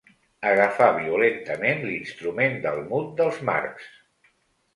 Agafar violentament l'instrument del mut dels Marx.